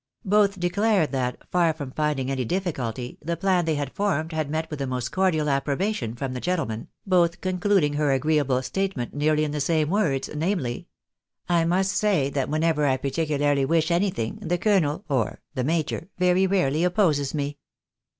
Both declared that, far from finding any difficulty, the plan they had formed had met with the most cordial approbation from the gentlemen, both concluding her agreeable statement nearly in the same words, namely, " I must say that whenever I particularly wish any thing, the colonel (or the major) very rarely opposes me."